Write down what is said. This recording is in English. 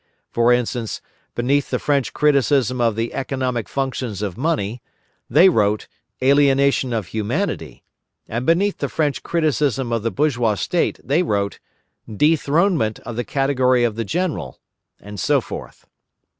For instance, beneath the French criticism of the economic functions of money, they wrote "Alienation of Humanity," and beneath the French criticism of the bourgeois State they wrote "dethronement of the Category of the General," and so forth.